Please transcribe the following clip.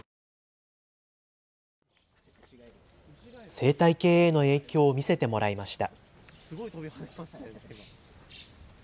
生態系への影響を見せてもらいました。